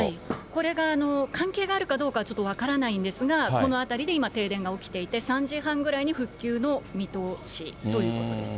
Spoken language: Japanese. これが関係があるかどうかはちょっと分からないんですが、この辺りで今、停電が起きていて、３時半ぐらいに復旧の見通しということです。